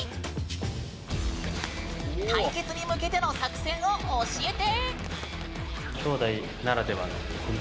対決に向けての作戦を教えて！